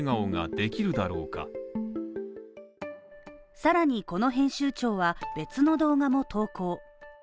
さらにこの編集長は別の動画も投稿。